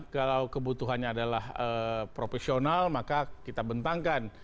kalau kebutuhannya adalah profesional maka kita bentangkan